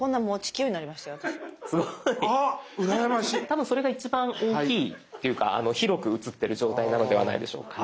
多分それが一番大きいというか広く映ってる状態なのではないでしょうか。